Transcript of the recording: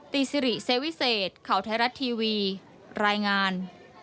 สิริเซวิเศษข่าวไทยรัฐทีวีรายงาน